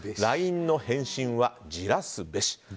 ＬＩＮＥの返信はじらすべし。